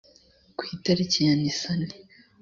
ku itariki ya nisani